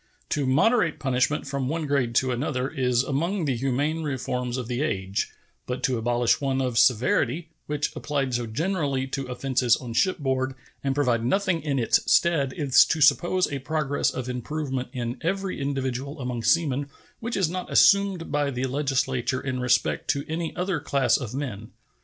To moderate punishment from one grade to another is among the humane reforms of the age, but to abolish one of severity, which applied so generally to offenses on shipboard, and provide nothing in its stead is to suppose a progress of improvement in every individual among seamen which is not assumed by the Legislature in respect to any other class of men.